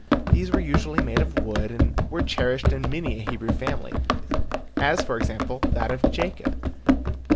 These were usually made of wood and were cherished in many a Hebrew family, as for example, that of Jacob (cf.